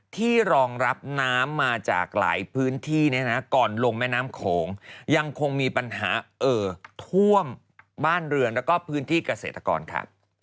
ที่รองรับน้ำมาจากหลายพื้นที่ก่อนลงแม่น้ำโขงยังคงมีปัญหาท่วมบ้านเรือนและพื้นที่เกษตรกร